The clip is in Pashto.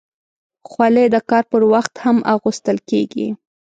خولۍ د کار پر وخت هم اغوستل کېږي.